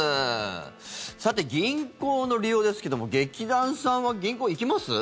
さて、銀行の利用ですけど劇団さんは銀行、行きます？